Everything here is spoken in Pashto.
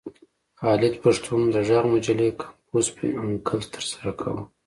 خالد پښتون د غږ مجلې کمپوز په انکل ترسره کاوه.